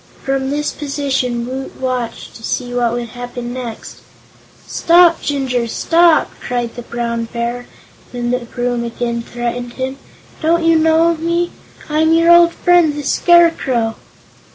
From this position Woot watched to see what would happen next. "Stop, Jinjur stop!" cried the Brown Bear, when the broom again threatened him. "Don't you know me? I'm your old friend the Scarecrow?"